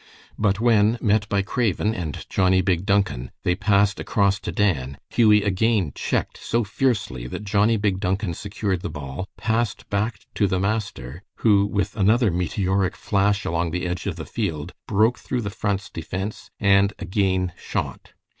But when, met by Craven and Johnnie Big Duncan, they passed across to Dan, Hughie again checked so fiercely that Johnnie Big Duncan secured the ball, passed back to the master, who with another meteoric flash along the edge of the field broke through the Front's defense, and again shot.